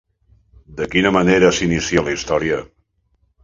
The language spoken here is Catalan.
De quina manera s'inicia la història?